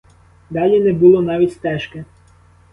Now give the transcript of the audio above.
Далі не було навіть стежки.